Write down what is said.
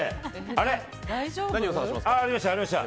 あれ？ありました。